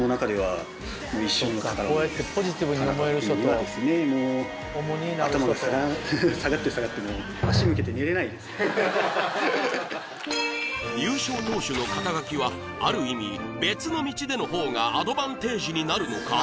はい優勝投手の肩書はある意味別の道での方がアドバンテージになるのか？